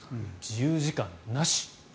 自由時間なし。